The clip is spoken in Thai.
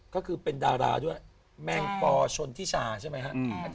ก็คือเป็นดาราด้วยแม่งปอชนทิศาใช่ไหมฮะอืมอฮือ